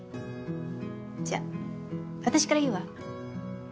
じゃあ私から言うわ。